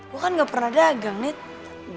gue kan gak pernah dagang nih